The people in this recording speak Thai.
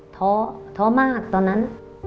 ท้อมากตอนนั้น